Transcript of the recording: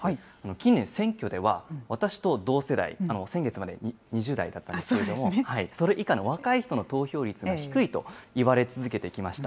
近年、選挙では私と同世代、先月まで２０代だったんですけれども、それ以下の若い人の投票率が低いといわれ続けてきました。